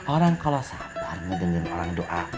orang kalau sabarnya dengan orang doa